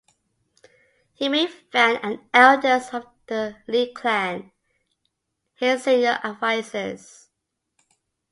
He made Fan and elders of the Li clan his senior advisors.